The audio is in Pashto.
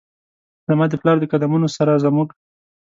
زما د پلار د قد مونو سره زموږ،